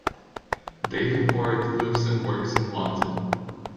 Davenport lives and works in London.